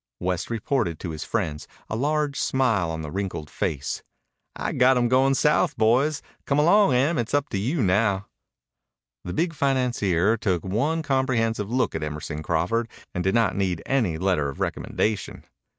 West reported to his friends, a large smile on his wrinkled face. "I got him goin' south, boys. Come along, Em, it's up to you now." The big financier took one comprehensive look at Emerson Crawford and did not need any letter of recommendation.